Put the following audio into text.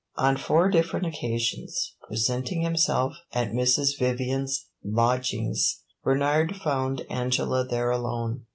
On four different occasions, presenting himself at Mrs. Vivian's lodgings, Bernard found Angela there alone.